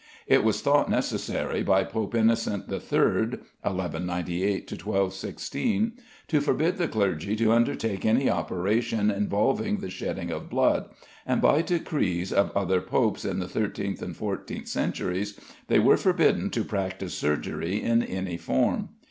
It was thought necessary by Pope Innocent III. (1198 1216) to forbid the clergy to undertake any operation involving the shedding of blood, and by decrees of other popes in the thirteenth and fourteenth centuries they were forbidden to practise surgery in any form.